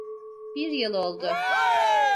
Bir yıl oldu.